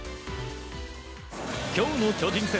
今日の巨人戦。